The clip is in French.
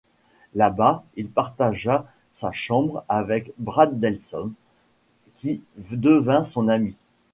Là-bas il partagea sa chambre avec Brad Delson qui devint son ami.